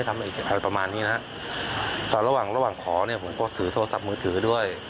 แต่ระหว่างขอผมก็ถือโทรศัพท์มือถือด้วย